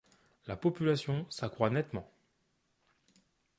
La population s'accroit nettement.